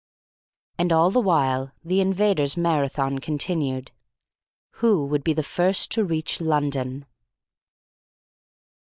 And all the while the Invaders' Marathon continued. Who would be the first to reach London?